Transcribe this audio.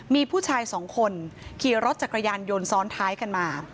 มีผู้ชายสองคนขี่รถจักรยานยนต์ซ้อนท้ายกันมา